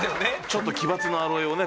ちょっと奇抜なアロエをね